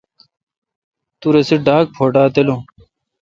تو رسے ڈاگ پواٹا تلون۔